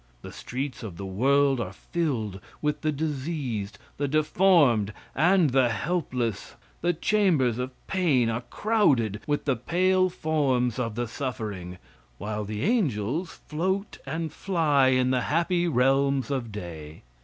The streets of the world are filled with the diseased, the deformed and the helpless; the chambers of pain are crowded with the pale forms of the suffering, while the angels float and fly in the happy realms of day.